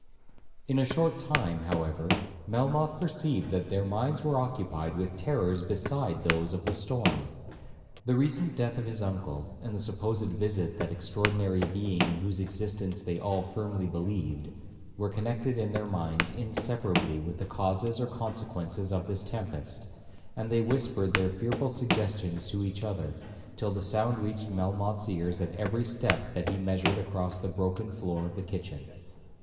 In a short time, however, Melmoth perceived that their minds were occupied with terrors beside those of the storm. The recent death of his uncle, and the supposed visit of that extraordinary being in whose existence they all firmly believed, were connected in their minds inseparably with the causes or consequences of this tempest, and they whispered their fearful suggestions to each other, till the sound reached Melmoth's ears at every step that he measured across the broken floor of the kitchen.